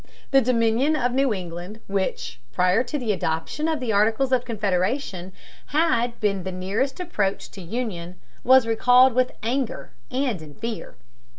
The Dominion of New England, which, prior to the adoption of the Articles of Confederation, had been the nearest approach to union, was recalled with anger and in fear.